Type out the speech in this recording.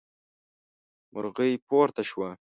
مرغۍ پورته شوه.